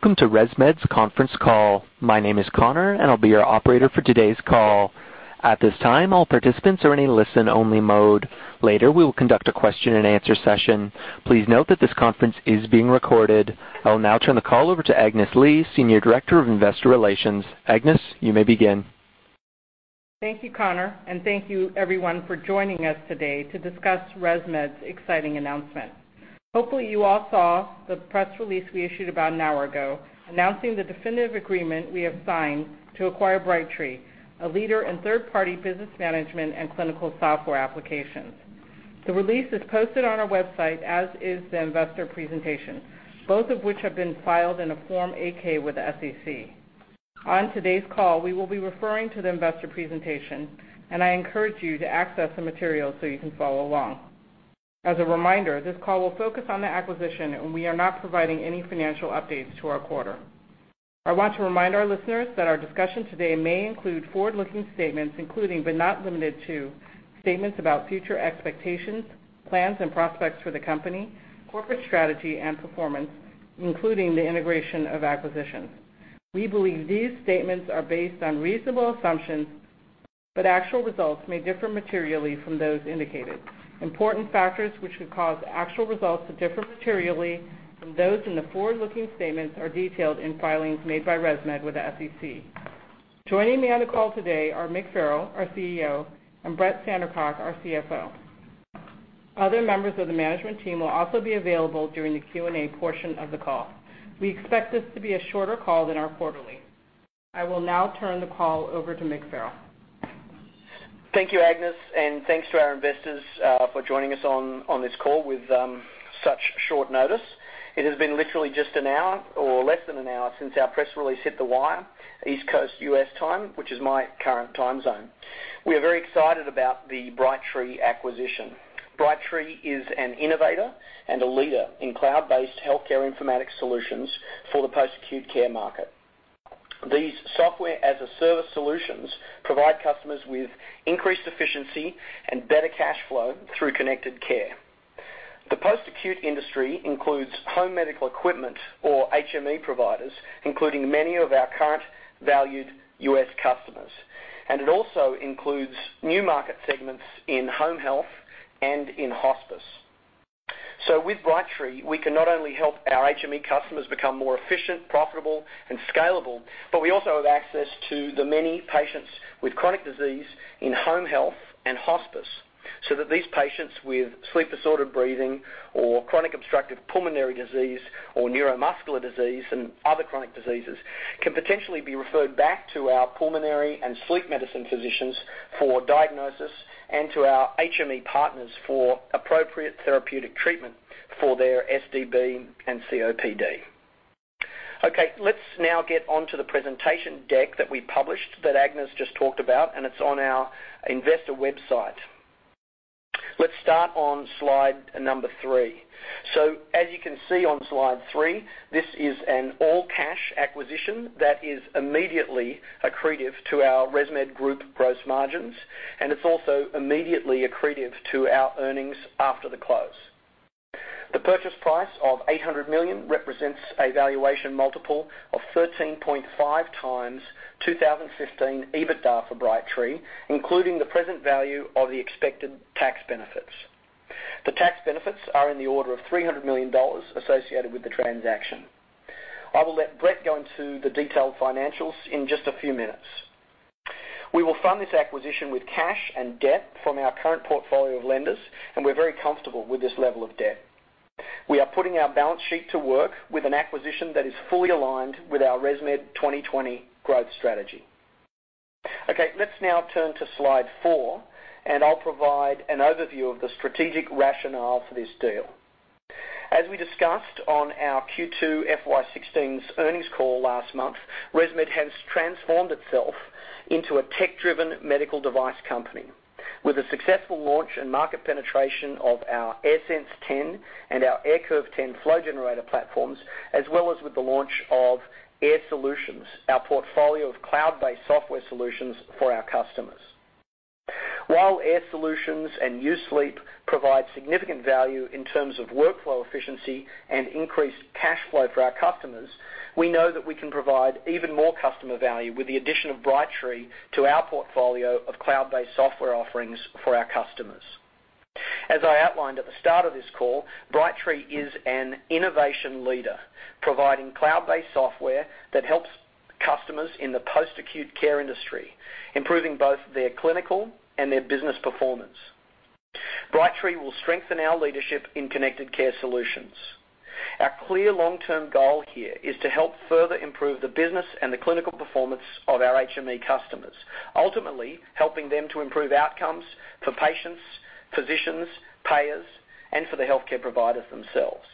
Welcome to ResMed's conference call. My name is Connor, and I'll be your operator for today's call. At this time, all participants are in a listen-only mode. Later, we will conduct a question and answer session. Please note that this conference is being recorded. I will now turn the call over to Agnes Lee, Senior Director of Investor Relations. Agnes, you may begin. Thank you, Connor, and thank you everyone for joining us today to discuss ResMed's exciting announcement. Hopefully, you all saw the press release we issued about an hour ago announcing the definitive agreement we have signed to acquire Brightree, a leader in third-party business management and clinical software applications. The release is posted on our website, as is the investor presentation, both of which have been filed in a Form 8-K with the SEC. On today's call, we will be referring to the investor presentation. I encourage you to access the material so you can follow along. As a reminder, this call will focus on the acquisition. We are not providing any financial updates to our quarter. I want to remind our listeners that our discussion today may include forward-looking statements, including but not limited to, statements about future expectations, plans, and prospects for the company, corporate strategy, and performance, including the integration of acquisitions. We believe these statements are based on reasonable assumptions, but actual results may differ materially from those indicated. Important factors which could cause actual results to differ materially from those in the forward-looking statements are detailed in filings made by ResMed with the SEC. Joining me on the call today are Mick Farrell, our CEO, and Brett Sandercock, our CFO. Other members of the management team will also be available during the Q&A portion of the call. We expect this to be a shorter call than our quarterly. I will now turn the call over to Mick Farrell. Thank you, Agnes, and thanks to our investors for joining us on this call with such short notice. It has been literally just an hour or less than an hour since our press release hit the wire, East Coast U.S. time, which is my current time zone. We are very excited about the Brightree acquisition. Brightree is an innovator and a leader in cloud-based healthcare informatics solutions for the post-acute care market. These software-as-a-service solutions provide customers with increased efficiency and better cash flow through connected care. The post-acute industry includes home medical equipment or HME providers, including many of our current valued U.S. customers. It also includes new market segments in home health and in hospice. With Brightree, we can not only help our HME customers become more efficient, profitable, and scalable, but we also have access to the many patients with chronic disease in home health and hospice, so that these patients with sleep-disordered breathing or chronic obstructive pulmonary disease or neuromuscular disease and other chronic diseases can potentially be referred back to our pulmonary and sleep medicine physicians for diagnosis and to our HME partners for appropriate therapeutic treatment for their SDB and COPD. Okay. Get onto the presentation deck that we published that Agnes just talked about, and it's on our investor website. Start on slide number three. As you can see on slide three, this is an all-cash acquisition that is immediately accretive to our ResMed group gross margins, and it's also immediately accretive to our earnings after the close. The purchase price of $800 million represents a valuation multiple of 13.5x 2015 EBITDA for Brightree, including the present value of the expected tax benefits. The tax benefits are in the order of $300 million associated with the transaction. I will let Brett go into the detailed financials in just a few minutes. We will fund this acquisition with cash and debt from our current portfolio of lenders, and we're very comfortable with this level of debt. We are putting our balance sheet to work with an acquisition that is fully aligned with our ResMed 2020 growth strategy. Okay. Turn to slide four, and I'll provide an overview of the strategic rationale for this deal. As we discussed on our Q2 FY 2016 earnings call last month, ResMed has transformed itself into a tech-driven medical device company with the successful launch and market penetration of our AirSense 10 and our AirCurve 10 flow generator platforms, as well as with the launch of Air Solutions, our portfolio of cloud-based software solutions for our customers. While Air Solutions and U-Sleep provide significant value in terms of workflow efficiency and increased cash flow for our customers, we know that we can provide even more customer value with the addition of Brightree to our portfolio of cloud-based software offerings for our customers. As I outlined at the start of this call, Brightree is an innovation leader, providing cloud-based software that helps customers in the post-acute care industry, improving both their clinical and their business performance. Brightree will strengthen our leadership in connected care solutions. Our clear long-term goal here is to help further improve the business and the clinical performance of our HME customers, ultimately helping them to improve outcomes for patients, physicians, payers, and for the healthcare providers themselves.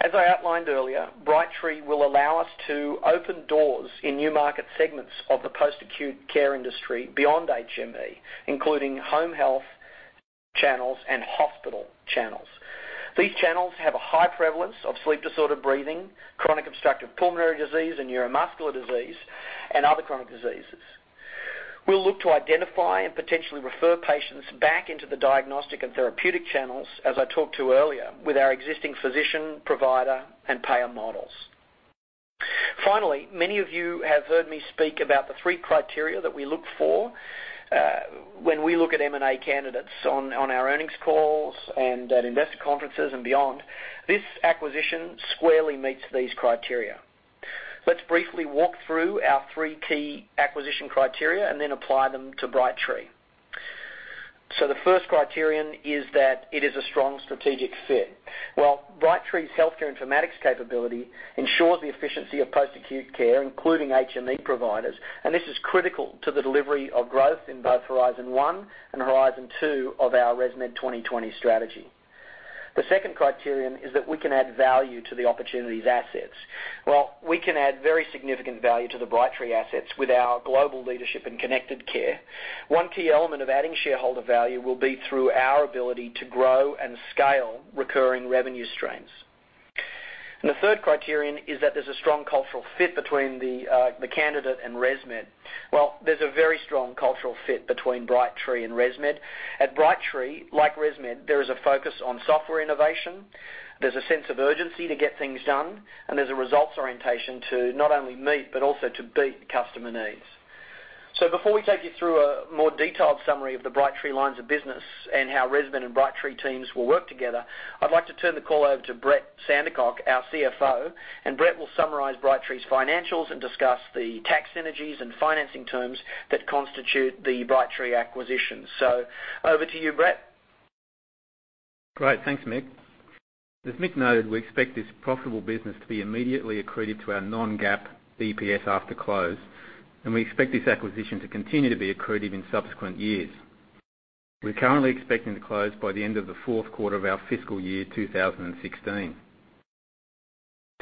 As I outlined earlier, Brightree will allow us to open doors in new market segments of the post-acute care industry beyond HME, including home health channels and hospital channels. These channels have a high prevalence of sleep-disordered breathing, chronic obstructive pulmonary disease, and neuromuscular disease, and other chronic diseases. We'll look to identify and potentially refer patients back into the diagnostic and therapeutic channels, as I talked to earlier, with our existing physician, provider, and payer models. Finally, many of you have heard me speak about the three criteria that we look for when we look at M&A candidates on our earnings calls and at investor conferences and beyond. This acquisition squarely meets these criteria. Let's briefly walk through our three key acquisition criteria and then apply them to Brightree. The first criterion is that it is a strong strategic fit. Well, Brightree's Healthcare Informatics capability ensures the efficiency of post-acute care, including HME providers, and this is critical to the delivery of growth in both Horizon One and Horizon Two of our ResMed 2020 strategy. The second criterion is that we can add value to the opportunity's assets. Well, we can add very significant value to the Brightree assets with our global leadership in connected care. One key element of adding shareholder value will be through our ability to grow and scale recurring revenue streams. The third criterion is that there's a strong cultural fit between the candidate and ResMed. Well, there's a very strong cultural fit between Brightree and ResMed. Great. Thanks, Mick. As Mick noted, we expect this profitable business to be immediately accretive to our non-GAAP EPS after close, we expect this acquisition to continue to be accretive in subsequent years. We're currently expecting to close by the end of the fourth quarter of our fiscal year 2016.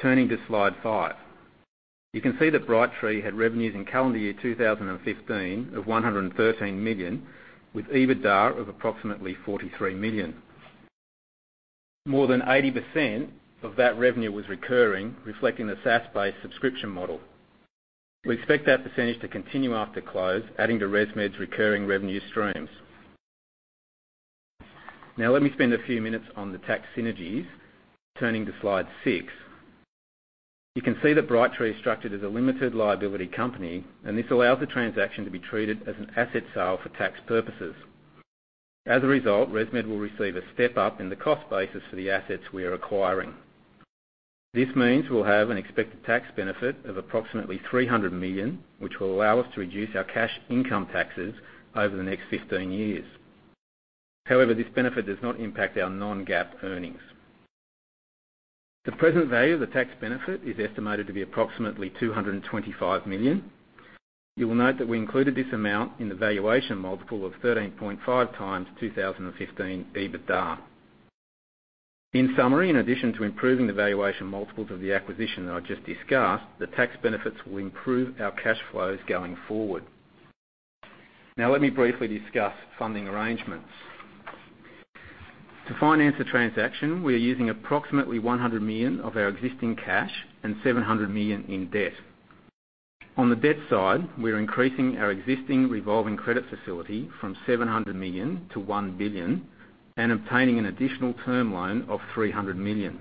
Turning to slide five. You can see that Brightree had revenues in calendar year 2015 of $113 million, with EBITDA of approximately $43 million. More than 80% of that revenue was recurring, reflecting the SaaS-based subscription model. We expect that percentage to continue after close, adding to ResMed's recurring revenue streams. Let me spend a few minutes on the tax synergies. Turning to slide six. You can see that Brightree is structured as a limited liability company, this allows the transaction to be treated as an asset sale for tax purposes. As a result, ResMed will receive a step-up in the cost basis for the assets we are acquiring. This means we'll have an expected tax benefit of approximately $300 million, which will allow us to reduce our cash income taxes over the next 15 years. However, this benefit does not impact our non-GAAP earnings. The present value of the tax benefit is estimated to be approximately $225 million. You will note that we included this amount in the valuation multiple of 13.5 times 2015 EBITDA. and obtaining an additional term loan of $300 million.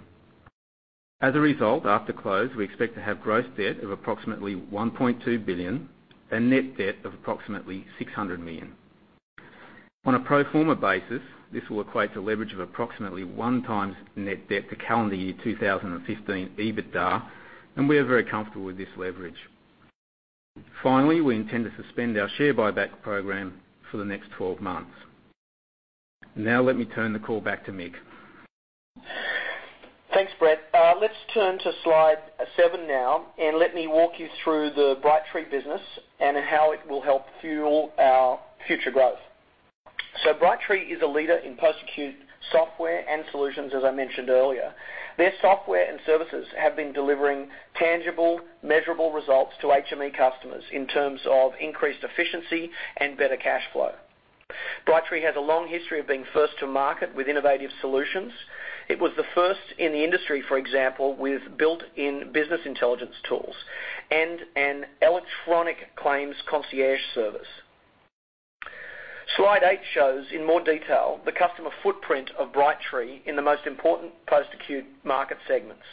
As a result, after close, we expect to have gross debt of approximately $1.2 billion and net debt of approximately $600 million. On a pro forma basis, this will equate to leverage of approximately one times net debt to calendar year 2015 EBITDA, and we are very comfortable with this leverage. Finally, we intend to suspend our share buyback program for the next 12 months. Let me turn the call back to Mick. Thanks, Brett. Let's turn to slide seven now, let me walk you through the Brightree business and how it will help fuel our future growth. Brightree is a leader in post-acute software and solutions, as I mentioned earlier. Their software and services have been delivering tangible, measurable results to HME customers in terms of increased efficiency and better cash flow. Brightree has a long history of being first to market with innovative solutions. It was the first in the industry, for example, with built-in business intelligence tools and an electronic claims concierge service. Slide eight shows in more detail the customer footprint of Brightree in the most important post-acute market segments.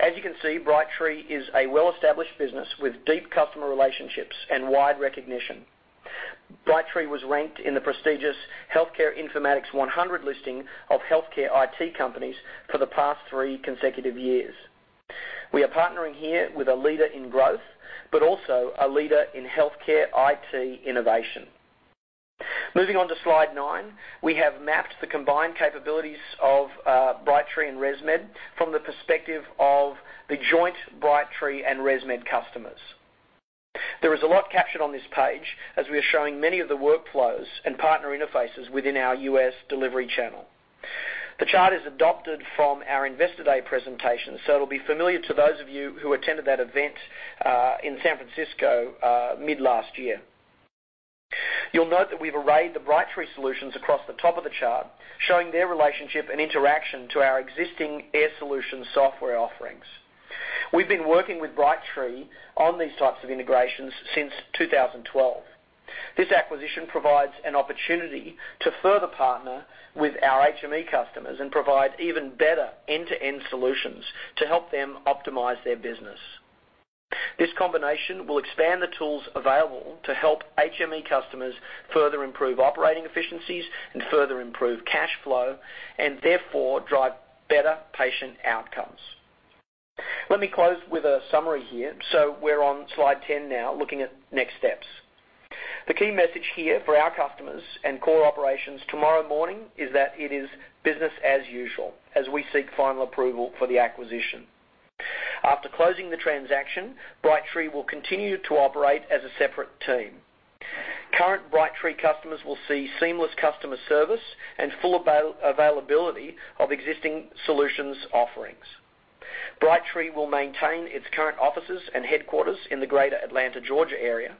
As you can see, Brightree is a well-established business with deep customer relationships and wide recognition. Brightree was ranked in the prestigious Healthcare Informatics 100 listing of healthcare IT companies for the past three consecutive years. We are partnering here with a leader in growth, also a leader in healthcare IT innovation. Moving on to slide nine. We have mapped the combined capabilities of Brightree and ResMed from the perspective of the joint Brightree and ResMed customers. There is a lot captured on this page, as we are showing many of the workflows and partner interfaces within our U.S. delivery channel. The chart is adopted from our Investor Day presentation, it'll be familiar to those of you who attended that event in San Francisco mid last year. You'll note that we've arrayed the Brightree solutions across the top of the chart, showing their relationship and interaction to our existing Air Solutions software offerings. We've been working with Brightree on these types of integrations since 2012. This acquisition provides an opportunity to further partner with our HME customers and provide even better end-to-end solutions to help them optimize their business. This combination will expand the tools available to help HME customers further improve operating efficiencies and further improve cash flow, therefore, drive better patient outcomes. Let me close with a summary here. We're on slide 10 now, looking at next steps. The key message here for our customers and core operations tomorrow morning is that it is business as usual, as we seek final approval for the acquisition. After closing the transaction, Brightree will continue to operate as a separate team. Current Brightree customers will see seamless customer service and full availability of existing solutions offerings. Brightree will maintain its current offices and headquarters in the Greater Atlanta, Georgia area.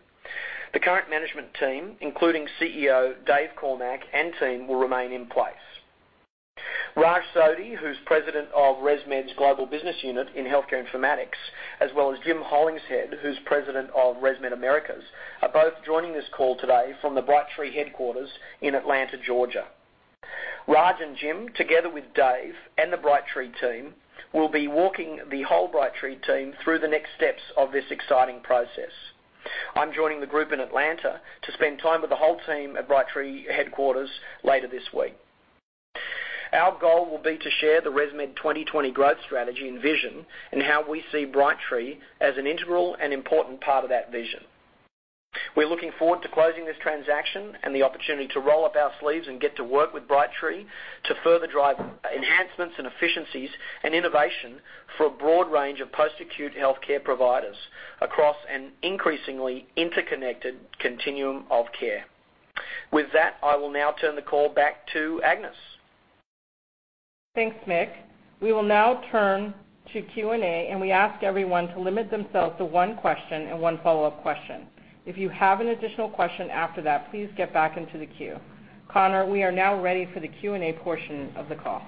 The current management team, including CEO Dave Cormack and team, will remain in place. Raj Sodhi, who's President of ResMed's Global Business Unit in Healthcare Informatics, as well as Jim Hollingshead, who's President of ResMed Americas, are both joining this call today from the Brightree headquarters in Atlanta, Georgia. Raj and Jim, together with Dave and the Brightree team, will be walking the whole Brightree team through the next steps of this exciting process. I'm joining the group in Atlanta to spend time with the whole team at Brightree headquarters later this week. Our goal will be to share the ResMed 2020 growth strategy and vision, and how we see Brightree as an integral and important part of that vision. We're looking forward to closing this transaction and the opportunity to roll up our sleeves and get to work with Brightree to further drive enhancements and efficiencies and innovation for a broad range of post-acute healthcare providers across an increasingly interconnected continuum of care. With that, I will now turn the call back to Agnes. Thanks, Mick. We will now turn to Q&A, and we ask everyone to limit themselves to one question and one follow-up question. If you have an additional question after that, please get back into the queue. Connor, we are now ready for the Q&A portion of the call.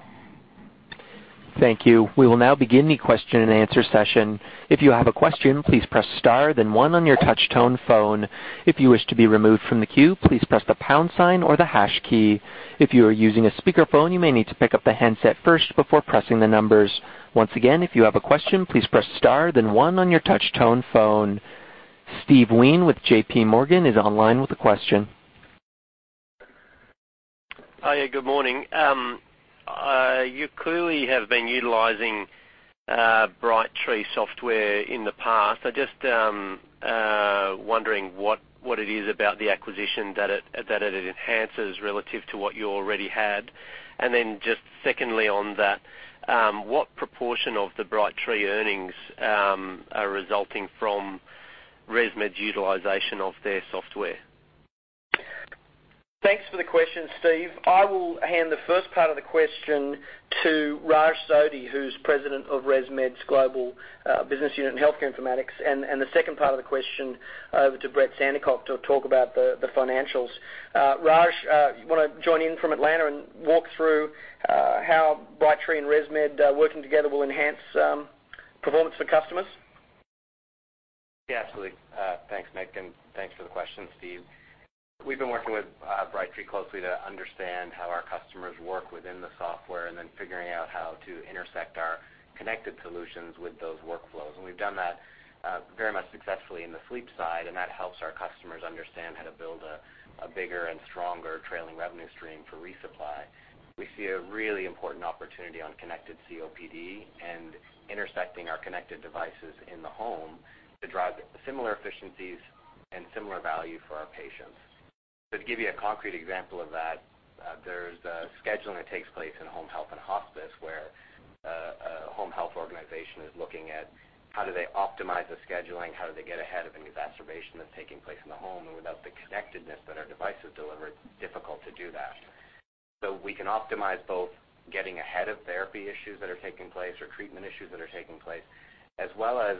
Thank you. We will now begin the question and answer session. If you have a question, please press star then one on your touch tone phone. If you wish to be removed from the queue, please press the pound sign or the hash key. If you are using a speakerphone, you may need to pick up the handset first before pressing the numbers. Once again, if you have a question, please press star then one on your touch tone phone. Steve Wheen with JPMorgan Chase is online with a question. Hi. Good morning. You clearly have been utilizing Brightree software in the past. I'm just wondering what it is about the acquisition that it enhances relative to what you already had. Just secondly on that, what proportion of the Brightree earnings are resulting from ResMed's utilization of their software? Thanks for the question, Steve. I will hand the first part of the question to Raj Sodhi, who's President of ResMed's Global Business Unit in Healthcare Informatics, the second part of the question over to Brett Sandercock to talk about the financials. Raj, you want to join in from Atlanta and walk through how Brightree and ResMed working together will enhance performance for customers? Yeah, absolutely. Thanks, Mick, thanks for the question, Steve. We've been working with Brightree closely to understand how our customers work within the software figuring out how to intersect our connected solutions with those workflows. We've done that very much successfully in the sleep side, that helps our customers understand how to build a bigger and stronger trailing revenue stream for resupply. We see a really important opportunity on connected COPD intersecting our connected devices in the home to drive similar efficiencies and similar value for our patients. To give you a concrete example of that, there's scheduling that takes place in home health and hospice, where a home health organization is looking at how do they optimize the scheduling, how do they get ahead of any exacerbation that's taking place in the home, without the connectedness that our devices deliver, it's difficult to do that. We can optimize both getting ahead of therapy issues that are taking place or treatment issues that are taking place, as well as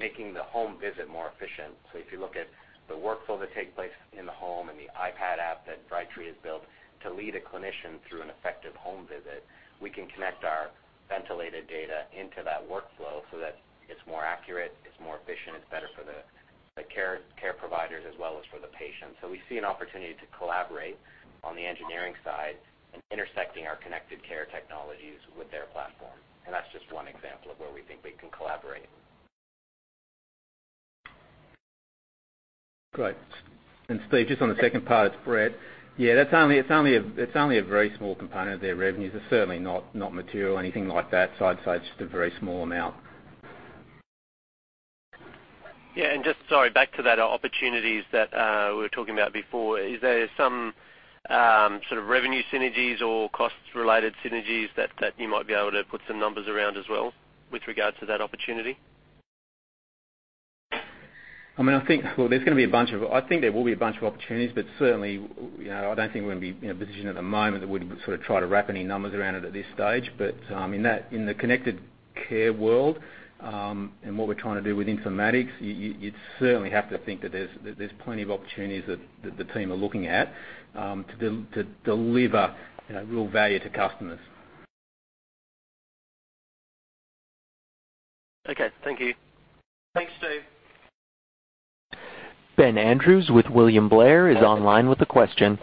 making the home visit more efficient. If you look at the workflow that takes place in the home the iPad app that Brightree has built to lead a clinician through an effective home visit, we can connect our ventilator data into that workflow so that it's more accurate, it's more efficient, it's better for the care providers as well as for the patient. We see an opportunity to collaborate on the engineering side and intersecting our connected care technologies with their platform. That's just one example of where we think we can collaborate. Great. Steve, just on the second part, it's Brett. Yeah, it's only a very small component of their revenues. It's certainly not material or anything like that. I'd say it's just a very small amount. Yeah, just, sorry, back to that opportunities that we were talking about before. Is there some sort of revenue synergies or cost-related synergies that you might be able to put some numbers around as well with regards to that opportunity? Well, I think there will be a bunch of opportunities, certainly, I don't think we're going to be in a position at the moment that we'd sort of try to wrap any numbers around it at this stage. In the connected care world, and what we're trying to do with informatics, you'd certainly have to think that there's plenty of opportunities that the team are looking at to deliver real value to customers. Okay. Thank you. Thanks, Steve. Ben Andrews with William Blair is online with a question.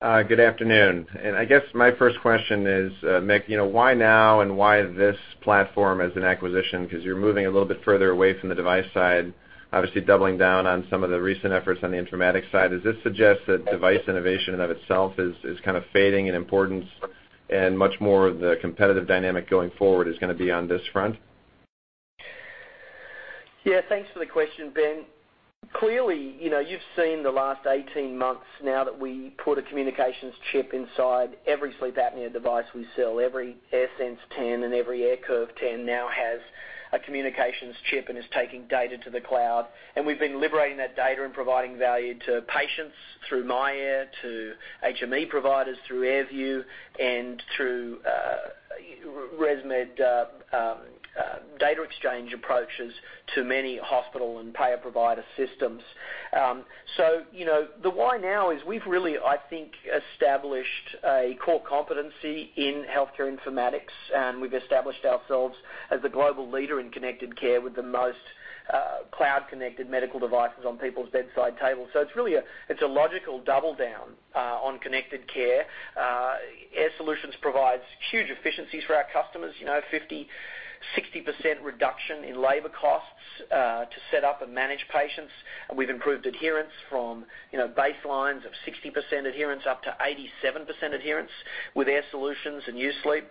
Good afternoon. I guess my first question is, Mick, why now and why this platform as an acquisition? Because you're moving a little bit further away from the device side, obviously doubling down on some of the recent efforts on the informatics side. Does this suggest that device innovation in and of itself is kind of fading in importance and much more of the competitive dynamic going forward is going to be on this front? Thanks for the question, Ben. Clearly, you've seen the last 18 months now that we put a communications chip inside every sleep apnea device we sell. Every AirSense 10 and every AirCurve 10 now has a communications chip and is taking data to the cloud. We've been liberating that data and providing value to patients through myAir, to HME providers through AirView and through ResMed data exchange approaches to many hospital and payer provider systems. The why now is we've really, I think, established a core competency in healthcare informatics, and we've established ourselves as the global leader in connected care with the most cloud-connected medical devices on people's bedside tables. It's really a logical double down on connected care. Air Solutions provides huge efficiencies for our customers, 50%, 60% reduction in labor costs to set up and manage patients. We've improved adherence from baselines of 60% adherence up to 87% adherence with Air Solutions and U-Sleep.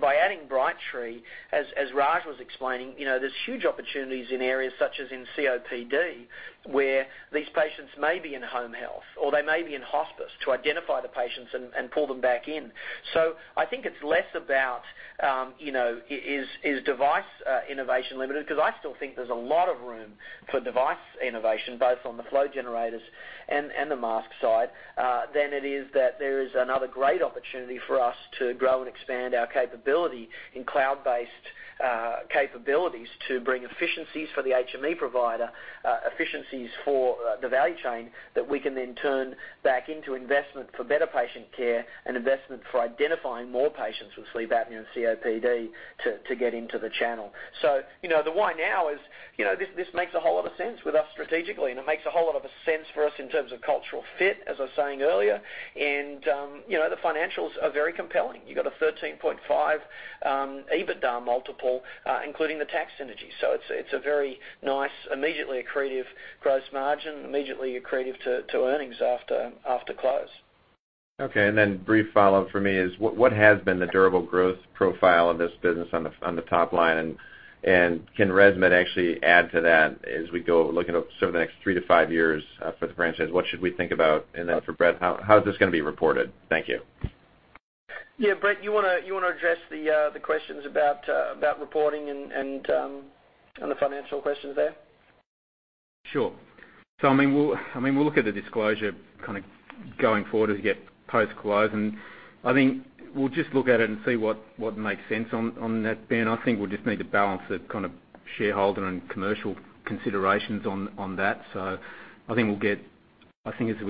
By adding Brightree, as Raj was explaining, there's huge opportunities in areas such as in COPD, where these patients may be in home health or they may be in hospice to identify the patients and pull them back in. I think it's less about, is device innovation limited? Because I still think there's a lot of room for device innovation, both on the flow generators and the mask side, than it is that there is another great opportunity for us to grow and expand our capability in cloud-based capabilities to bring efficiencies for the HME provider, efficiencies for the value chain that we can then turn back into investment for better patient care and investment for identifying more patients with sleep apnea and COPD to get into the channel. The why now is this makes a whole lot of sense with us strategically, and it makes a whole lot of sense for us in terms of cultural fit, as I was saying earlier. The financials are very compelling. You've got a 13.5 EBITDA multiple including the tax synergies. It's a very nice, immediately accretive gross margin, immediately accretive to earnings after close. Brief follow-up for me is what has been the durable growth profile of this business on the top line? Can ResMed actually add to that as we go looking over sort of the next 3 to 5 years for the franchise? What should we think about? For Brett, how is this going to be reported? Thank you. Yeah, Brett, you want to address the questions about reporting and the financial questions there? Sure. We'll look at the disclosure kind of going forward as we get post-close, I think we'll just look at it and see what makes sense on that, Ben. I think we'll just need to balance the kind of shareholder and commercial considerations on that. I think as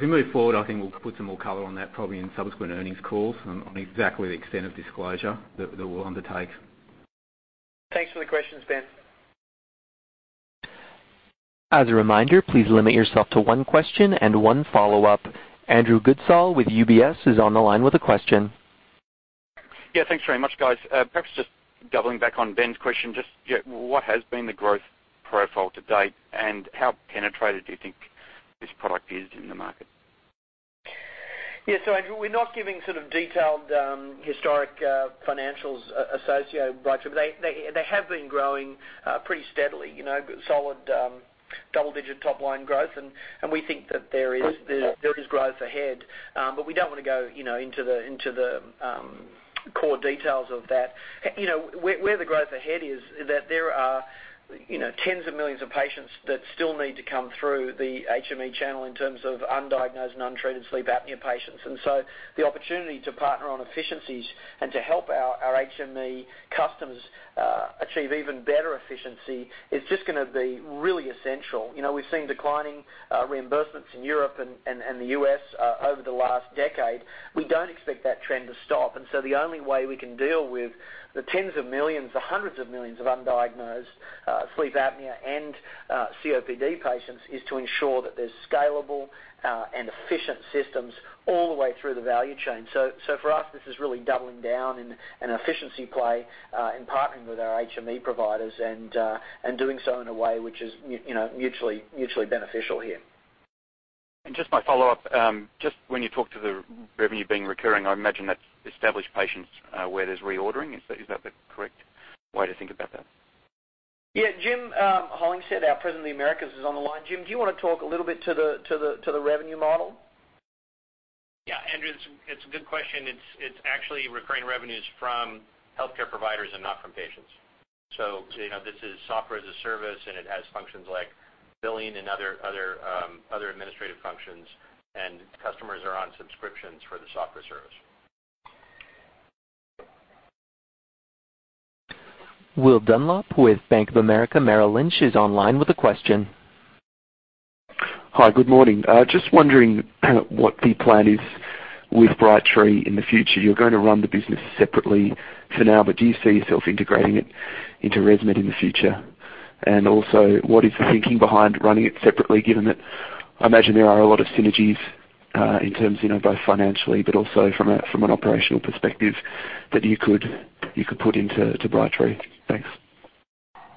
we move forward, I think we'll put some more color on that probably in subsequent earnings calls on exactly the extent of disclosure that we'll undertake. Thanks for the questions, Ben. As a reminder, please limit yourself to one question and one follow-up. Andrew Goodsall with UBS is on the line with a question. Yeah, thanks very much, guys. Perhaps just doubling back on Ben's question, just what has been the growth profile to date, and how penetrated do you think this product is in the market? Yeah. Andrew, we're not giving sort of detailed, historic financials associated, right? They have been growing pretty steadily, solid double-digit top-line growth, and we think that there is growth ahead. We don't want to go into the core details of that. Where the growth ahead is that there are tens of millions of patients that still need to come through the HME channel in terms of undiagnosed and untreated sleep apnea patients. The opportunity to partner on efficiencies and to help our HME customers achieve even better efficiency is just going to be really essential. We've seen declining reimbursements in Europe and the U.S. over the last decade. We don't expect that trend to stop, the only way we can deal with the tens of millions or hundreds of millions of undiagnosed sleep apnea and COPD patients is to ensure that there's scalable and efficient systems all the way through the value chain. For us, this is really doubling down in an efficiency play in partnering with our HME providers and doing so in a way which is mutually beneficial here. Just my follow-up, just when you talk to the revenue being recurring, I imagine that's established patients where there's reordering. Is that the correct way to think about that? Yeah. Jim Hollingshead, our President of the Americas, is on the line. Jim, do you want to talk a little bit to the revenue model? Yeah, Andrew, it's a good question. It's actually recurring revenues from healthcare providers and not from patients. This is software as a service, and it has functions like billing and other administrative functions, and customers are on subscriptions for the software service. Will Dunlop with Bank of America Merrill Lynch is online with a question. Hi, good morning. Just wondering what the plan is with Brightree in the future. You're going to run the business separately for now, but do you see yourself integrating it into ResMed in the future? Also, what is the thinking behind running it separately, given that I imagine there are a lot of synergies in terms, both financially, but also from an operational perspective that you could put into Brightree. Thanks.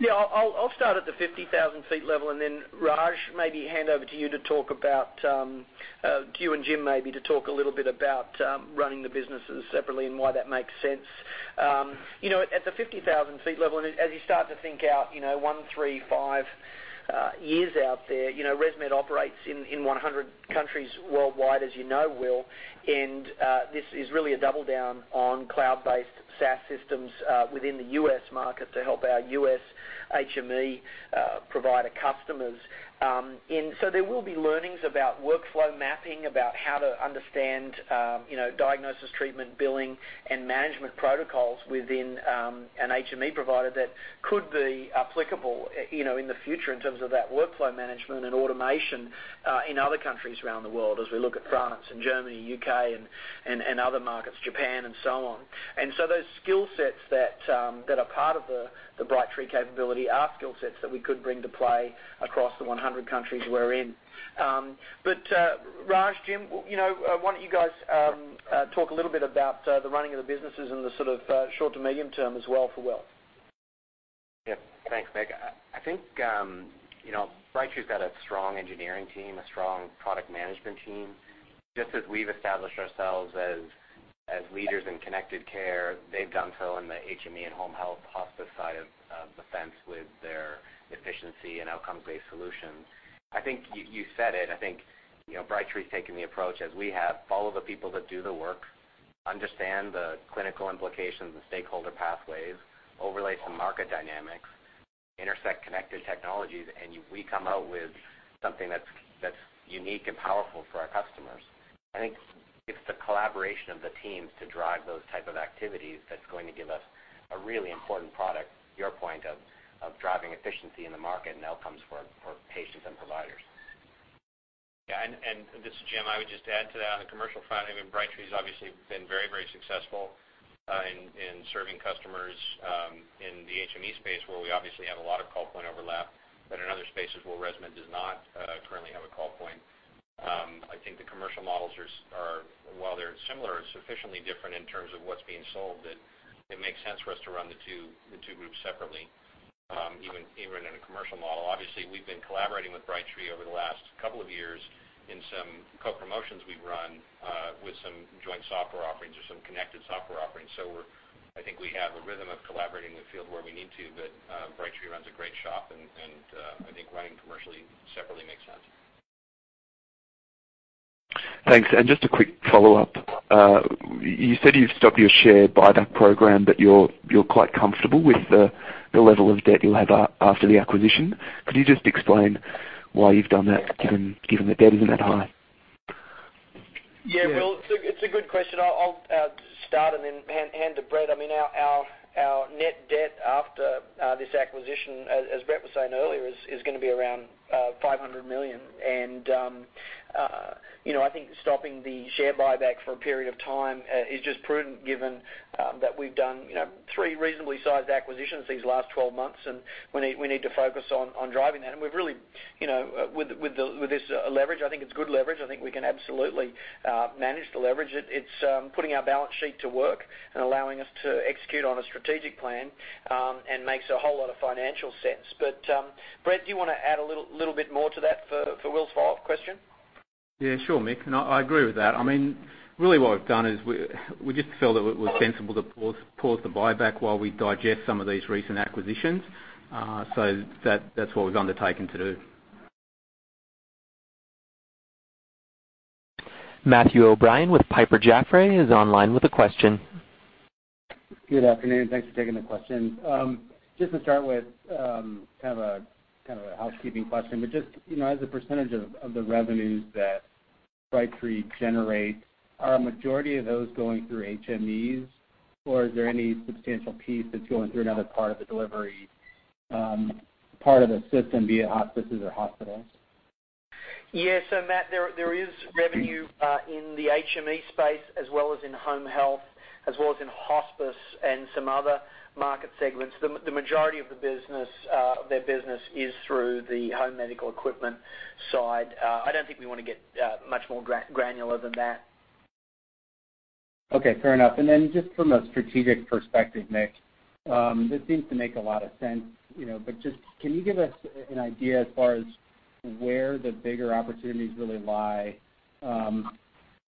I'll start at the 50,000 feet level and then, Raj, maybe hand over to you and Jim maybe to talk a little bit about running the businesses separately and why that makes sense. At the 50,000 feet level, as you start to think out one, three, five years out there, ResMed operates in 100 countries worldwide, as you know, Will, this is really a double-down on cloud-based SaaS systems within the U.S. market to help our U.S. HME provider customers. There will be learnings about workflow mapping, about how to understand diagnosis, treatment, billing, and management protocols within an HME provider that could be applicable in the future in terms of that workflow management and automation in other countries around the world, as we look at France and Germany, U.K., and other markets, Japan and so on. Those skill sets that are part of the Brightree capability are skill sets that we could bring to play across the 100 countries we're in. Raj, Jim, why don't you guys talk a little bit about the running of the businesses in the short to medium term as well for Will? Thanks, Mick. I think Brightree's got a strong engineering team, a strong product management team. Just as we've established ourselves as leaders in connected care, they've done so in the HME and home health hospice side of the fence with their efficiency and outcomes-based solutions. I think you said it. I think Brightree's taking the approach as we have, follow the people that do the work, understand the clinical implications and stakeholder pathways, overlay some market dynamics, intersect connected technologies, and we come out with something that's unique and powerful for our customers. I think it's the collaboration of the teams to drive those type of activities that's going to give us a really important product, to your point, of driving efficiency in the market and outcomes for patients and providers. This is Jim. I would just add to that on the commercial front, I mean, Brightree's obviously been very successful, in serving customers, in the HME space, where we obviously have a lot of call point overlap, but in other spaces where ResMed does not currently have a call point. I think the commercial models, while they're similar, are sufficiently different in terms of what's being sold, that it makes sense for us to run the two groups separately, even in a commercial model. Obviously, we've been collaborating with Brightree over the last couple of years in some co-promotions we've run with some joint software offerings or some connected software offerings. I think we have a rhythm of collaborating in the field where we need to, but Brightree runs a great shop, and I think running commercially separately makes sense. Just a quick follow-up. You said you've stopped your share buyback program, but you're quite comfortable with the level of debt you'll have after the acquisition. Could you just explain why you've done that, given the debt isn't that high? Will, it's a good question. I'll start and then hand to Brett. Our net debt after this acquisition, as Brett was saying earlier, is going to be around $500 million. I think stopping the share buyback for a period of time is just prudent given that we've done three reasonably sized acquisitions these last 12 months, and we need to focus on driving that. With this leverage, I think it's good leverage. I think we can absolutely manage the leverage. It's putting our balance sheet to work and allowing us to execute on a strategic plan, and makes a whole lot of financial sense. Brett, do you want to add a little bit more to that for Will's follow-up question? Sure, Mick. I agree with that. Really what we've done is we just felt that it was sensible to pause the buyback while we digest some of these recent acquisitions. That's what we've undertaken to do. Matthew O'Brien with Piper Sandler is online with a question. Good afternoon. Thanks for taking the question. To start with, kind of a housekeeping question, as a percentage of the revenues that Brightree generates, are a majority of those going through HMEs, or is there any substantial piece that's going through another part of the delivery, part of the system, be it hospices or hospitals? Yeah. Matt, there is revenue in the HME space as well as in home health, as well as in hospice and some other market segments. The majority of their business is through the home medical equipment side. I don't think we want to get much more granular than that. Okay, fair enough. Then just from a strategic perspective, Mick, this seems to make a lot of sense, can you give us an idea as far as where the bigger opportunities really lie,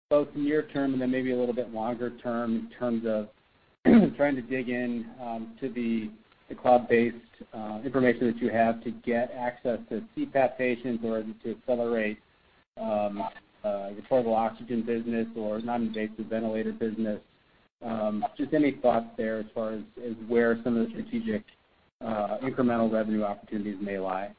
both near term and then maybe a little bit longer term in terms of trying to dig in to the cloud-based information that you have to get access to CPAP patients or to accelerate your portable oxygen business or non-invasive ventilator business? Any thoughts there as far as where some of the strategic incremental revenue opportunities may lie?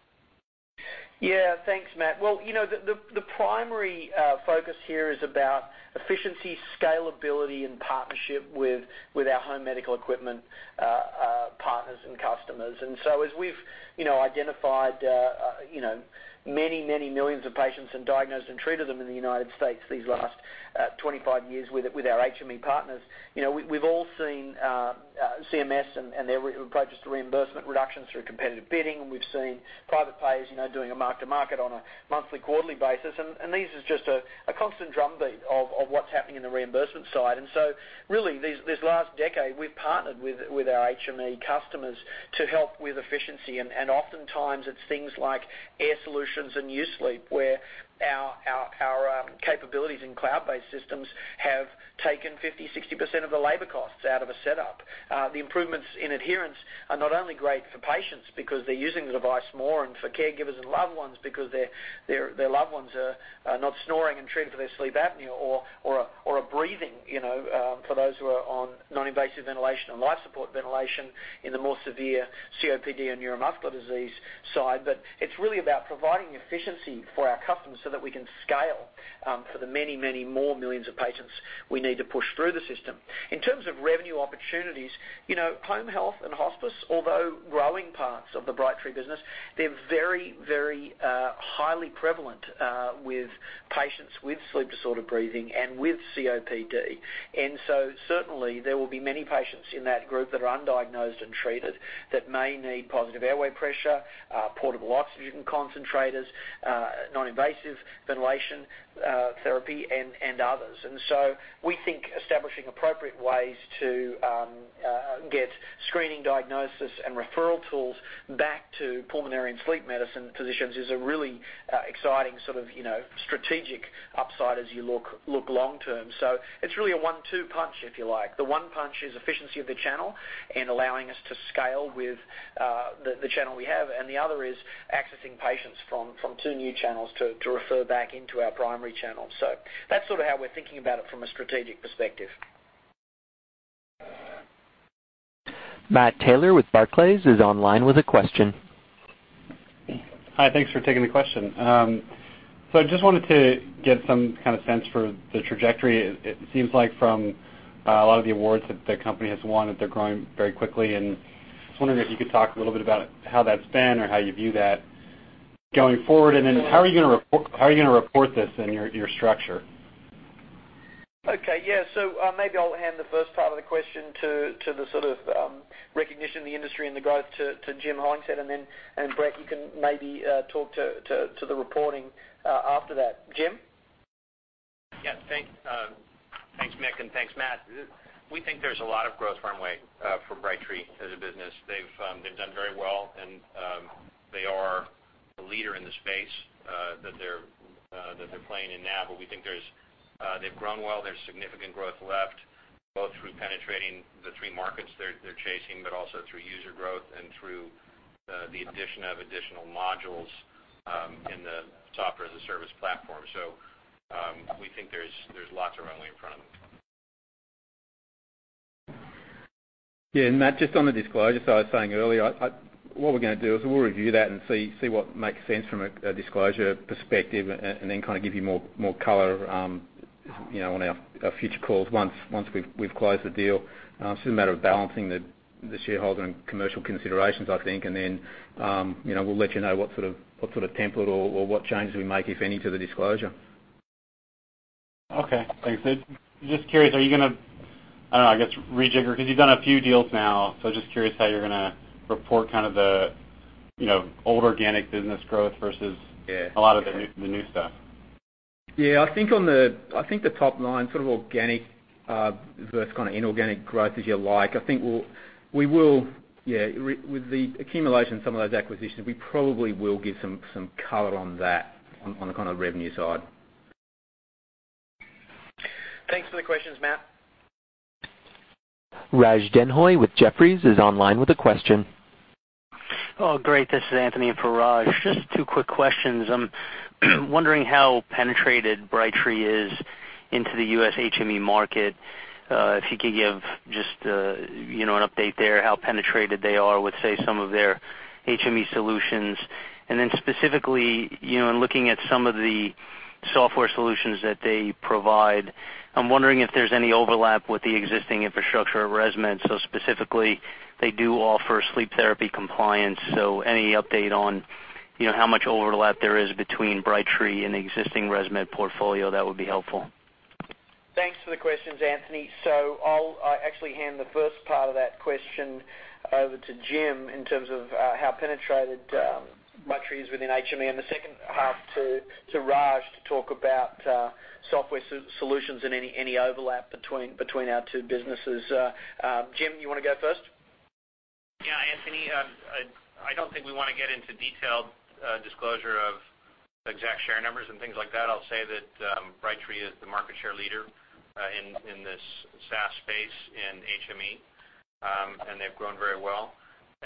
Yeah. Thanks, Matt. Well, the primary focus here is about efficiency, scalability, and partnership with our home medical equipment partners and customers. As we've identified many millions of patients and diagnosed and treated them in the U.S. these last 25 years with our HME partners. We've all seen CMS and their approaches to reimbursement reductions through competitive bidding. We've seen private payers doing a mark-to-market on a monthly, quarterly basis. This is just a constant drumbeat of what's happening in the reimbursement side. Really, this last decade, we've partnered with our HME customers to help with efficiency. Oftentimes, it's things like Air Solutions and U-Sleep, where our capabilities in cloud-based systems have taken 50%, 60% of the labor costs out of a setup. The improvements in adherence are not only great for patients because they're using the device more, and for caregivers and loved ones because their loved ones are not snoring and treated for their sleep apnea or are breathing for those who are on non-invasive ventilation and life support ventilation in the more severe COPD and neuromuscular disease side. It's really about providing efficiency for our customers so that we can scale for the many more millions of patients we need to push through the system. In terms of revenue opportunities, home health and hospice, although growing parts of the Brightree business, they're very highly prevalent, with patients with sleep disorder breathing and with COPD. Certainly, there will be many patients in that group that are undiagnosed and treated that may need positive airway pressure, portable oxygen concentrators, non-invasive ventilation therapy, and others. We think establishing appropriate ways to get screening, diagnosis, and referral tools back to pulmonary and sleep medicine physicians is a really exciting sort of strategic upside as you look long term. It's really a one-two punch, if you like. The one punch is efficiency of the channel and allowing us to scale with the channel we have, and the other is accessing patients from two new channels to refer back into our primary channel. That's sort of how we're thinking about it from a strategic perspective. Matt Taylor with Barclays is online with a question. Hi. Thanks for taking the question. I just wanted to get some kind of sense for the trajectory. It seems like from a lot of the awards that the company has won, that they're growing very quickly. Just wondering if you could talk a little bit about how that's been or how you view that going forward. Then how are you going to report this in your structure? Okay. Yeah. Maybe I'll hand the first part of the question to the sort of recognition in the industry and the growth to Jim Hollingshead, and then, Brett, you can maybe talk to the reporting after that. Jim? Yeah. Thanks, Mick, and thanks, Matt. We think there's a lot of growth runway for Brightree as a business. They've done very well, and they are a leader in the space that they're playing in now. But we think they've grown well. There's significant growth left, both through penetrating the three markets they're chasing, but also through user growth and through the addition of additional modules in the Software as a Service platform. We think there's lots of runway in front of them. Yeah, Matt, just on the disclosure, as I was saying earlier, what we're going to do is we'll review that and see what makes sense from a disclosure perspective and then kind of give you more color on our future calls once we've closed the deal. It's just a matter of balancing the shareholder and commercial considerations, I think, and then we'll let you know what sort of template or what changes we make, if any, to the disclosure. Okay. Thanks. Just curious, are you going to, I don't know, I guess rejigger, because you've done a few deals now, so just curious how you're going to report kind of the old organic business growth versus. Yeah a lot of the new stuff. Yeah, I think the top line, sort of organic versus kind of inorganic growth, as you like, I think we will, yeah, with the accumulation of some of those acquisitions, we probably will give some color on that on the kind of revenue side. Thanks for the questions, Matt. Raj Denhoy with Jefferies is online with a question. This is Anthony for Raj. Just two quick questions. I'm wondering how penetrated Brightree is into the U.S. HME market. If you could give just an update there, how penetrated they are with, say, some of their HME solutions. Specifically, in looking at some of the software solutions that they provide, I'm wondering if there's any overlap with the existing infrastructure at ResMed. Specifically, they do offer sleep therapy compliance, so any update on how much overlap there is between Brightree and the existing ResMed portfolio, that would be helpful. Thanks for the questions, Anthony. I'll actually hand the first part of that question over to Jim in terms of how penetrated Brightree is within HME, and the second half to Raj to talk about software solutions and any overlap between our two businesses. Jim, you want to go first? Yeah, Anthony, I don't think we want to get into detailed disclosure of exact share numbers and things like that. I'll say that Brightree is the market share leader in this SaaS space in HME, and they've grown very well.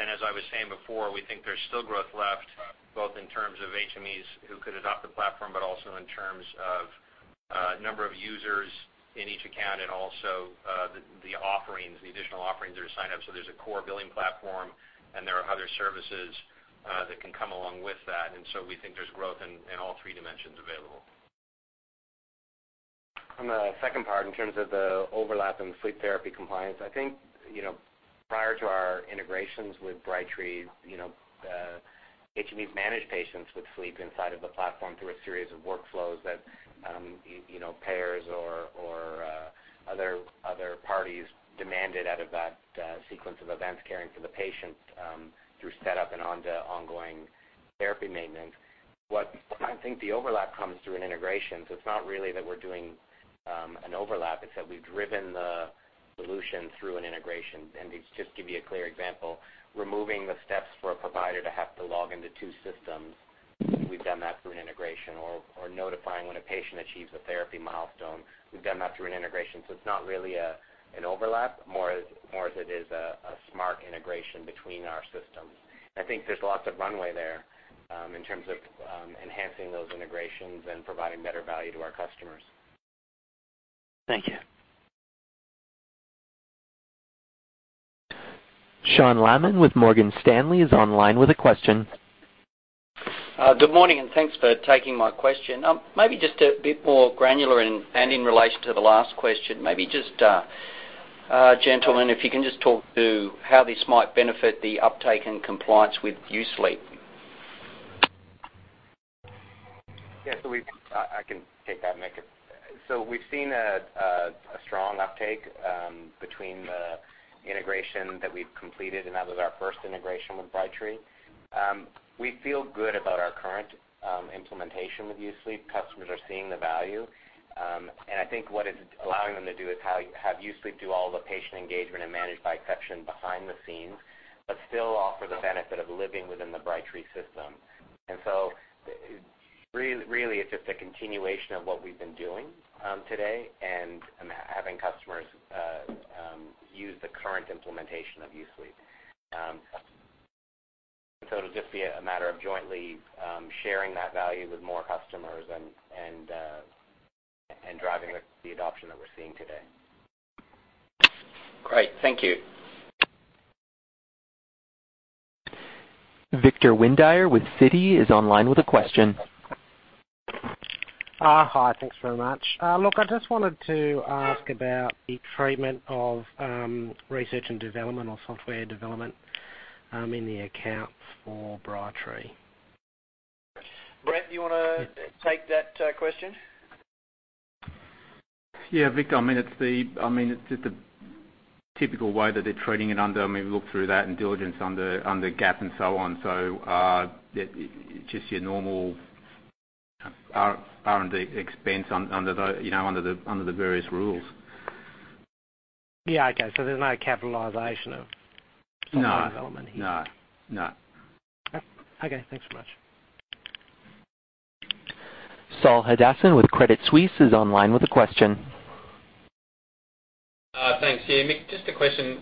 As I was saying before, we think there's still growth left, both in terms of HMEs who could adopt the platform, but also in terms of Number of users in each account and also the additional offerings that are signed up. There's a core billing platform and there are other services that can come along with that. We think there's growth in all three dimensions available. On the second part, in terms of the overlap in sleep therapy compliance, I think, prior to our integrations with Brightree, HMEs managed patients with sleep inside of the platform through a series of workflows that payers or other parties demanded out of that sequence of events, caring for the patient through setup and onto ongoing therapy maintenance. Where I think the overlap comes through in integration, it's not really that we're doing an overlap, it's that we've driven the solution through an integration. Just to give you a clear example, removing the steps for a provider to have to log into two systems, we've done that through an integration. Notifying when a patient achieves a therapy milestone, we've done that through an integration. It's not really an overlap, more as it is a smart integration between our systems. I think there's lots of runway there, in terms of enhancing those integrations and providing better value to our customers. Thank you. Sean Laaman with Morgan Stanley is online with a question. Good morning. Thanks for taking my question. Maybe just a bit more granular in relation to the last question. Maybe just, gentlemen, if you can just talk to how this might benefit the uptake and compliance with U-Sleep. Yeah. I can take that. We've seen a strong uptake between the integration that we've completed, and that was our first integration with Brightree. We feel good about our current implementation with U-Sleep. Customers are seeing the value. I think what it's allowing them to do is have U-Sleep do all the patient engagement and manage by exception behind the scenes, but still offer the benefit of living within the Brightree system. Really it's just a continuation of what we've been doing today and having customers use the current implementation of U-Sleep. It'll just be a matter of jointly sharing that value with more customers and driving the adoption that we're seeing today. Great. Thank you. Victor Windeyer with Citi is online with a question. Hi. Thanks very much. I just wanted to ask about the treatment of research and development or software development in the accounts for Brightree. Brett, do you want to take that question? Yeah, Victor. It's just the typical way that they're treating it, we look through that and diligence under GAAP and so on. Just your normal R&D expense under the various rules. Yeah. Okay. There's no capitalization of? No software development here. No. Okay. Thanks so much. Saul Hadassin with Credit Suisse is online with a question. Thanks. Yeah, Mick, just a question.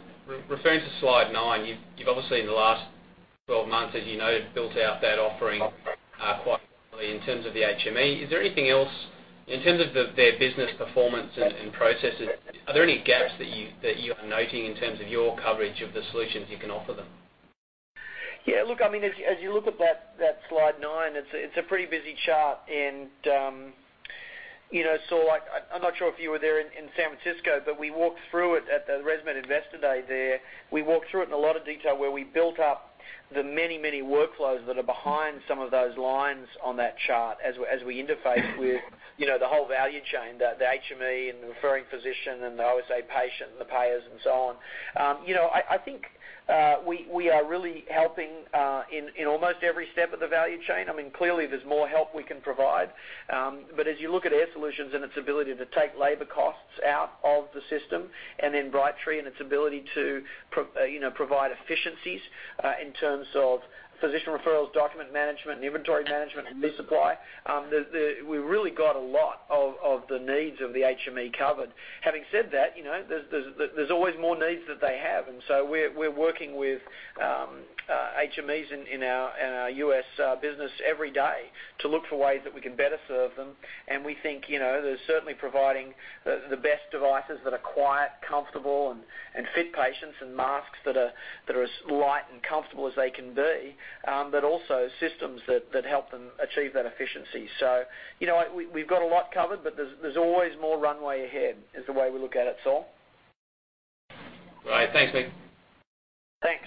Referring to slide nine, you've obviously in the last 12 months, as you know, built out that offering quite quickly in terms of the HME. In terms of their business performance and processes, are there any gaps that you are noting in terms of your coverage of the solutions you can offer them? Yeah, look, as you look at that slide nine, it's a pretty busy chart. Saul, I'm not sure if you were there in San Francisco, but we walked through it at the ResMed Investor Day there. We walked through it in a lot of detail, where we built up the many workflows that are behind some of those lines on that chart, as we interface with the whole value chain, the HME and the referring physician and the OSA patient and the payers and so on. I think we are really helping in almost every step of the value chain. Clearly, there's more help we can provide. As you look at Air Solutions and its ability to take labor costs out of the system, Brightree and its ability to provide efficiencies in terms of physician referrals, document management, and inventory management, and resupply, we really got a lot of the needs of the HME covered. Having said that, there's always more needs that they have. We're working with HMEs in our U.S. business every day to look for ways that we can better serve them. We think, they're certainly providing the best devices that are quiet, comfortable, and fit patients, and masks that are as light and comfortable as they can be, but also systems that help them achieve that efficiency. We've got a lot covered, but there's always more runway ahead, is the way we look at it, Saul. Right. Thanks, Mick. Thanks.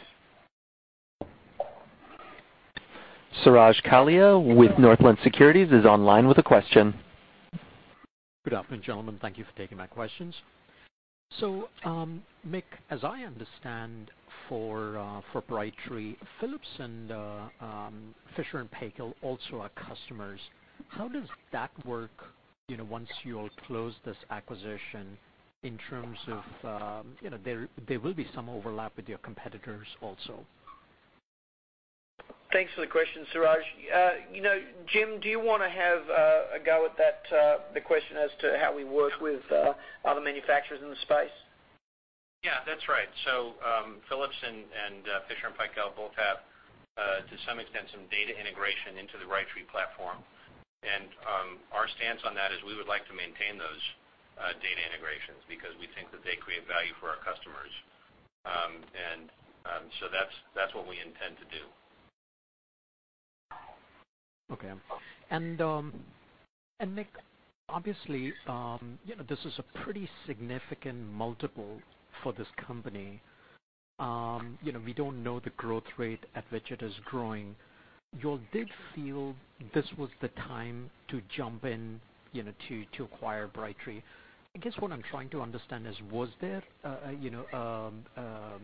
Suraj Kalia with Northland Securities is online with a question. Good afternoon, gentlemen. Thank you for taking my questions. Mick, as I understand for Brightree, Philips and Fisher & Paykel also are customers. How does that work once you all close this acquisition, in terms of, there will be some overlap with your competitors also. Thanks for the question, Suraj. Jim, do you want to have a go at the question as to how we work with other manufacturers in the space? Yeah, that's right. Philips and Fisher & Paykel both have, to some extent, some data integration into the Brightree platform. Our stance on that is we would like to maintain those data integrations because we think that they create value for our customers. That's what we intend to do. Okay. Mick, obviously, this is a pretty significant multiple for this company. We don't know the growth rate at which it is growing. You all did feel this was the time to jump in to acquire Brightree. I guess what I'm trying to understand is, was there a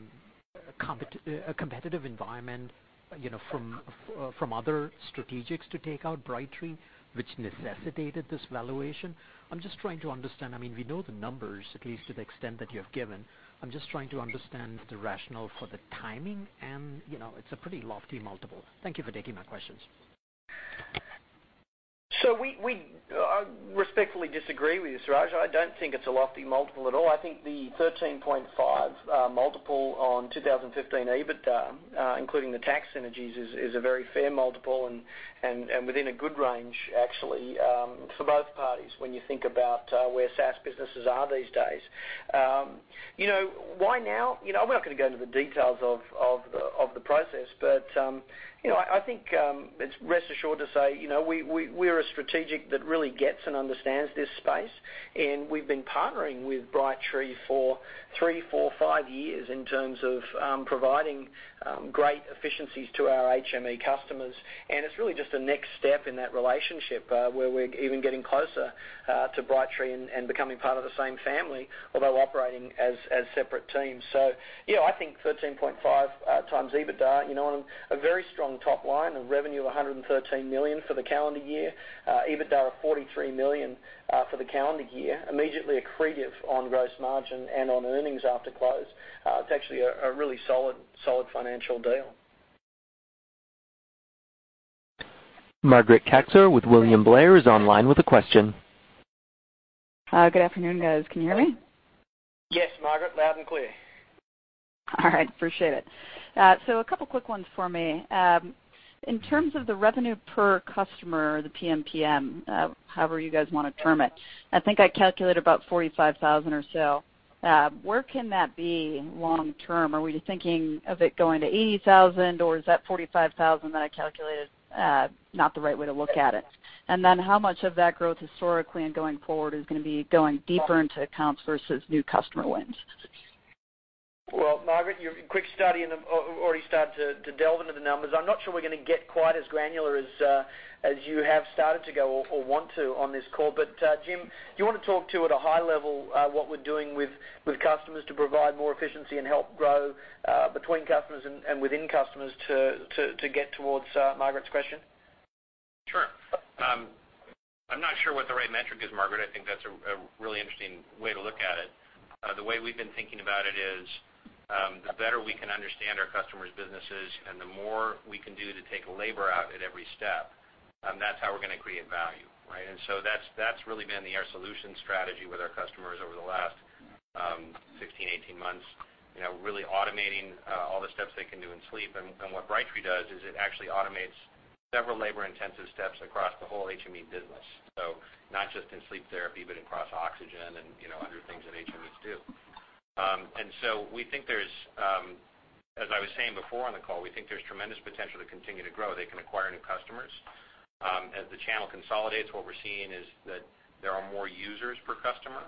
competitive environment from other strategics to take out Brightree, which necessitated this valuation? I'm just trying to understand. We know the numbers, at least to the extent that you have given. I'm just trying to understand the rationale for the timing, and it's a pretty lofty multiple. Thank you for taking my questions. We respectfully disagree with you, Suraj. I don't think it's a lofty multiple at all. I think the 13.5x multiple on 2015 EBITDA, including the tax synergies, is a very fair multiple and within a good range, actually, for both parties when you think about where SaaS businesses are these days. Why now? I'm not going to go into the details of the process, but I think it's rest assured to say, we're a strategic that really gets and understands this space. We've been partnering with Brightree for three, four, five years in terms of providing great efficiencies to our HME customers. It's really just a next step in that relationship, where we're even getting closer to Brightree and becoming part of the same family, although operating as separate teams. I think 13.5x EBITDA, on a very strong top line of revenue of $113 million for the calendar year. EBITDA of $43 million for the calendar year, immediately accretive on gross margin and on earnings after close. It's actually a really solid financial deal. Margaret Kaczor with William Blair is online with a question. Good afternoon, guys. Can you hear me? Yes, Margaret, loud and clear. All right, appreciate it. A couple quick ones for me. In terms of the revenue per customer, the PMPM, however you guys want to term it, I think I calculate about $45,000 or so. Where can that be long term? Are we thinking of it going to $80,000, or is that $45,000 that I calculated not the right way to look at it? How much of that growth historically and going forward is going to be going deeper into accounts versus new customer wins? Well, Margaret, you're quick study and already start to delve into the numbers. I'm not sure we're going to get quite as granular as you have started to go or want to on this call. Jim, do you want to talk to at a high level, what we're doing with customers to provide more efficiency and help grow between customers and within customers to get towards Margaret's question? Sure. I'm not sure what the right metric is, Margaret. I think that's a really interesting way to look at it. The way we've been thinking about it is, the better we can understand our customers' businesses and the more we can do to take labor out at every step, that's how we're going to create value, right? That's really been the Air Solutions strategy with our customers over the last 16, 18 months. Really automating all the steps they can do in sleep. What Brightree does is it actually automates several labor-intensive steps across the whole HME business. Not just in sleep therapy, but across oxygen and other things that HMEs do. We think there's, as I was saying before on the call, we think there's tremendous potential to continue to grow. They can acquire new customers. As the channel consolidates, what we're seeing is that there are more users per customer.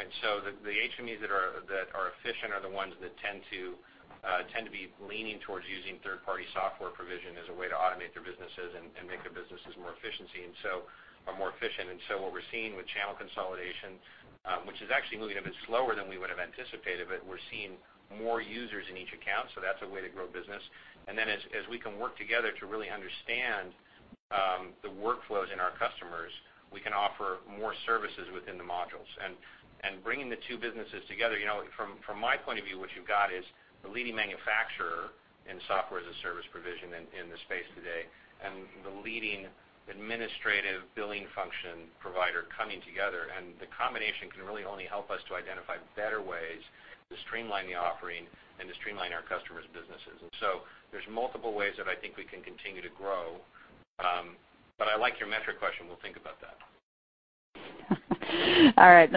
The HMEs that are efficient are the ones that tend to be leaning towards using third-party software provision as a way to automate their businesses and make their businesses more efficiency and so are more efficient. What we're seeing with channel consolidation, which is actually moving a bit slower than we would have anticipated, but we're seeing more users in each account, so that's a way to grow business. Then as we can work together to really understand the workflows in our customers, we can offer more services within the modules. Bringing the two businesses together, from my point of view, what you've got is the leading manufacturer in software-as-a-service provision in the space today and the leading administrative billing function provider coming together. The combination can really only help us to identify better ways to streamline the offering and to streamline our customers' businesses. There's multiple ways that I think we can continue to grow. I like your metric question. We'll think about that. All right.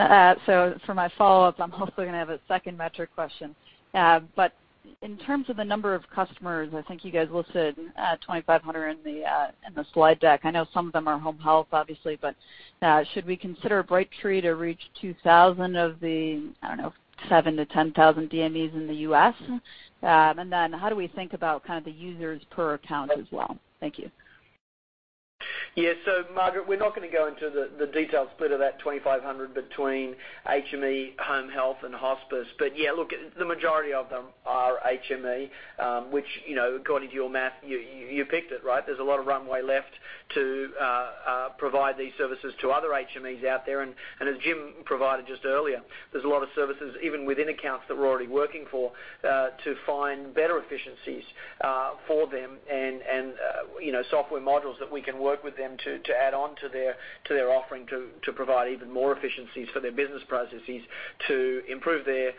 For my follow-up, I'm hopefully going to have a second metric question. In terms of the number of customers, I think you guys listed 2,500 in the slide deck. I know some of them are home health, obviously, but should we consider Brightree to reach 2,000 of the, I don't know, 7,000-10,000 DMEs in the U.S.? Then how do we think about the users per account as well? Thank you. Yeah. Margaret, we're not going to go into the detailed split of that 2,500 between HME, home health, and hospice. Yeah, look, the majority of them are HME, which according to your math, you picked it, right? There's a lot of runway left to provide these services to other HMEs out there. As Jim provided just earlier, there's a lot of services, even within accounts that we're already working for, to find better efficiencies for them and software modules that we can work with them to add on to their offering to provide even more efficiencies for their business processes to improve their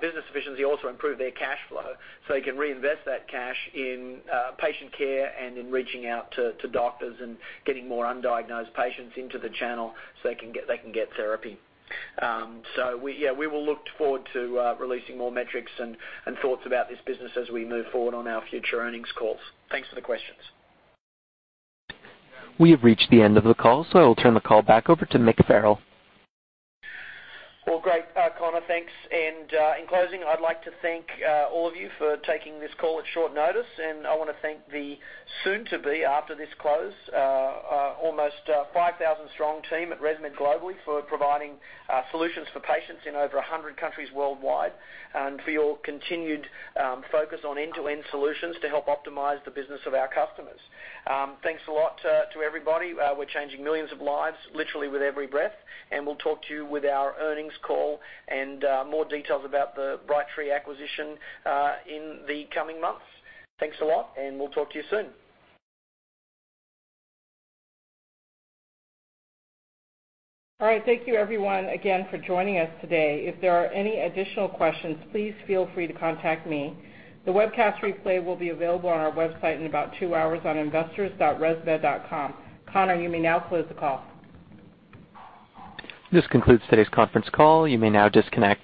business efficiency, also improve their cash flow, so they can reinvest that cash in patient care and in reaching out to doctors and getting more undiagnosed patients into the channel so they can get therapy. We will look forward to releasing more metrics and thoughts about this business as we move forward on our future earnings calls. Thanks for the questions. We have reached the end of the call, so I will turn the call back over to Mick Farrell. Great, Connor, thanks. In closing, I'd like to thank all of you for taking this call at short notice, and I want to thank the soon to be, after this close, almost 5,000-strong team at ResMed globally for providing solutions for patients in over 100 countries worldwide and for your continued focus on end-to-end solutions to help optimize the business of our customers. Thanks a lot to everybody. We're changing millions of lives, literally with every breath, and we'll talk to you with our earnings call and more details about the Brightree acquisition in the coming months. Thanks a lot, and we'll talk to you soon. Thank you everyone again for joining us today. If there are any additional questions, please feel free to contact me. The webcast replay will be available on our website in about two hours on investors.resmed.com. Connor, you may now close the call. This concludes today's conference call. You may now disconnect.